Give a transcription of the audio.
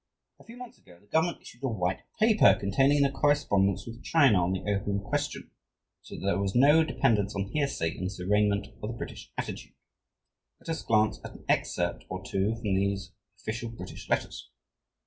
A few months ago, the Government issued a "White Paper" containing the correspondence with China on the opium question, so that there is no dependence on hearsay in this arraignment of the British attitude. Let us glance at an excerpt or two from these official British letters.